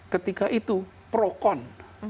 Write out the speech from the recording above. ketika itu pro con